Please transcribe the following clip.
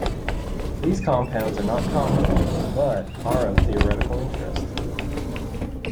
These compounds are not common but are of theoretical interest.